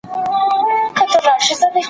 جنت د هغوی په رضا کې دی.